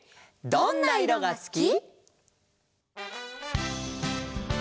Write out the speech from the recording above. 「どんないろがすき」「」